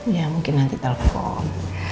ya mungkin nanti telepon